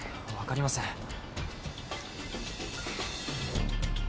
分かりません。